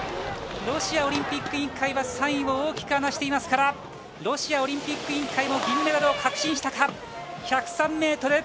ロシアオリンピック委員会は３位を大きく離していますからロシアオリンピック委員会も銀メダルを確信したか。